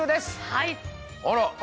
はい？